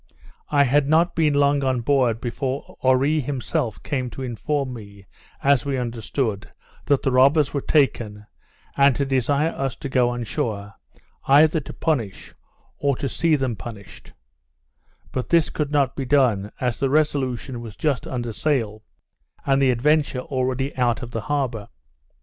I had not been long on board, before Oree himself came to inform me, as we understood, that the robbers were taken, and to desire us to go on shore, either to punish, or to see them punished; but this could not be done, as the Resolution was just under sail, and the Adventure already out of the harbour.